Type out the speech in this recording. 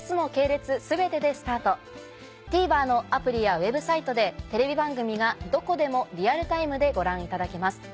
ＴＶｅｒのアプリやＷｅｂサイトでテレビ番組がどこでもリアルタイムでご覧いただけます。